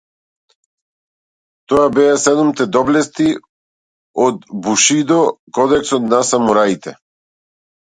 Тоа беа седумте доблести од бушидо кодексот на самураите.